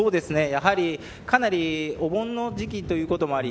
やはり、かなりお盆の時期ということもあり